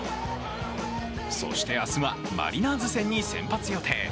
そして、明日はマリナーズ戦に先発予定。